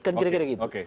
kan kira kira gitu